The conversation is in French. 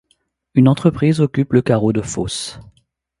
Une entreprise occupe le carreau de fosse.